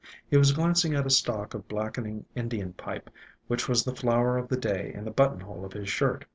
He was glancing at a stalk of blackening Indian Pipe, which was the flower of the day in the buttonhole of his shirt.